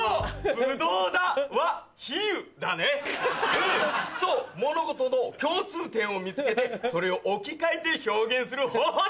うんそう物事の共通点を見つけてそれを置き換えて表現する方法だ！